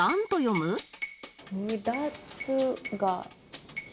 むだつがひ。